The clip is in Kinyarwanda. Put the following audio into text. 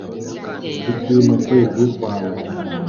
Kuki mu kwezi kwawe